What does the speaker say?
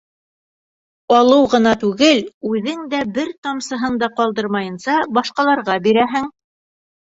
— Алыу ғына түгел, үҙең дә бер тамсыһын да ҡалдырмайынса башҡаларға бирәһең...